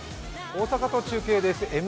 大阪と中継です。